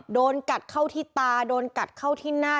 โดนกัดเข้าที่ตาโดนกัดเข้าที่หน้า